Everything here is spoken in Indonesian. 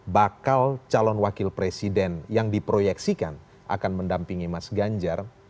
bakal calon wakil presiden yang diproyeksikan akan mendampingi mas ganjar